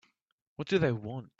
What do they want?